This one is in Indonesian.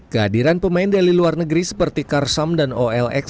kehadiran pemain dari luar negeri seperti karsam dan olx